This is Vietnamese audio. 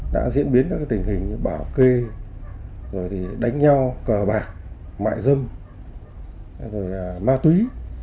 đã diễn biến các tình hình như bảo kê đánh nhau cờ bạc mại dâm ma túy